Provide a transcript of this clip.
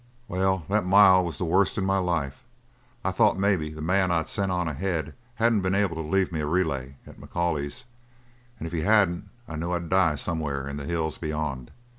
"Well, that mile was the worst in my life. I thought maybe the man I'd sent on ahead hadn't been able to leave me a relay at McCauley's, and if he hadn't I knew I'd die somewhere in the hills beyond.